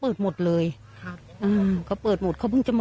ป้าของน้องธันวาผู้ชมข่าวอ่อน